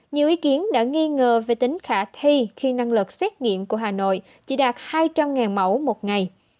nhiều ý kiến đã nghi ngờ về tính khả thi khi năng lực xét nghiệm của hà nội chỉ đạt hai trăm linh mẫu một ngày